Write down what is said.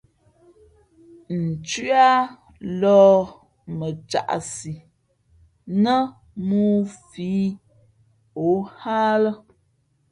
Nthʉǎ lōh mα caʼsi , nά mōō fī ǒ hά a lά.